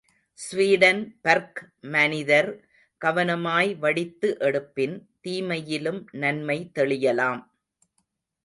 Sweden work மனிதர் கவனமாய் வடித்து எடுப்பின், தீமையிலும் நன்மை தெளியலாம்.